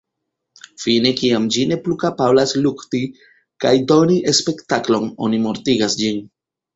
Fine kiam ĝi ne plu kapablas lukti, kaj "doni spektaklon", oni mortigas ĝin.